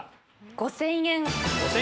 ５０００円。